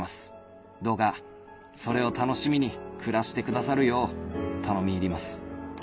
どうかそれを楽しみに暮らしてくださるよう頼み入ります。